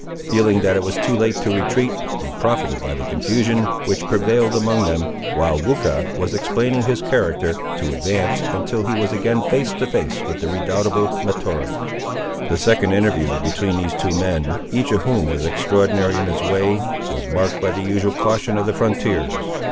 Feeling that it was too late to retreat, he profited by the confusion which prevailed among them, while Weucha was explaining his character, to advance, until he was again face to face with the redoubtable Mahtoree. The second interview between these two men, each of whom was extraordinary in his way, was marked by the usual caution of the frontiers.